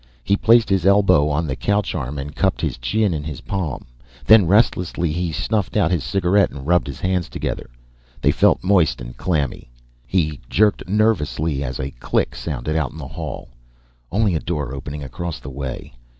He placed his elbow on the couch arm and cupped his chin in his palm. Then restlessly, he snuffed out his cigarette and rubbed his hands together. They felt moist and clammy. He jerked nervously as a click sounded out in the hall. Only a door opening across the way.